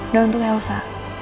dan untuk elsa